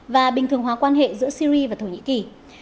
và bình thường hóa quan hệ giữa syri và thổ nhĩ kỳ